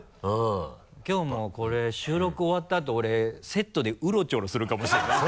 きょうもこれ収録終わったあと俺セットでウロチョロするかもしれない